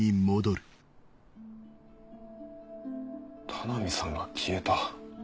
田波さんが消えた。